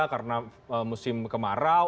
karena musim kemarau